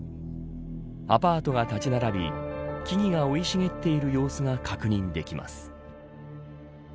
アパートが立ち並び木々が生い茂っている様子が確認できます。